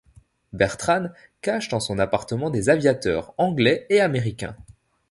Bertranne cache dans son appartement des aviateurs anglais et américains.